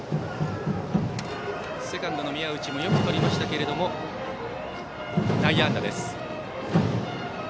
セカンドの宮内もよくとりましたが、内野安打です。